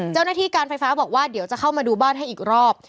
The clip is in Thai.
เจ้าหน้าที่การไฟฟ้าบอกว่าเดี๋ยวจะเข้ามาดูบ้านให้อีกรอบ